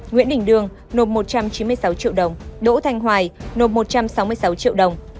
nguyễn đình đương nộp một trăm chín mươi sáu triệu đồng đỗ thanh hoài nộp một trăm sáu mươi sáu triệu đồng